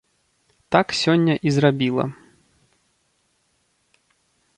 Так сёння і зрабіла.